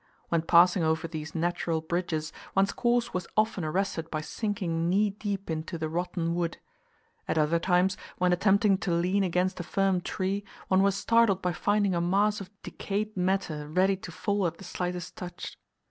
When passing over these natural bridges, one's course was often arrested by sinking knee deep into the rotten wood; at other times, when attempting to lean against a firm tree, one was startled by finding a mass of decayed matter ready to fall at the slightest touch.